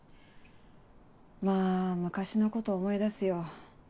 まぁ昔のことを思い出すよ。